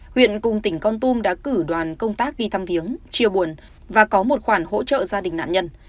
huyện cùng tỉnh con tum đã cử đoàn công tác đi thăm viếng chia buồn và có một khoản hỗ trợ gia đình nạn nhân